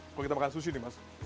kalau kita makan sushi nih mas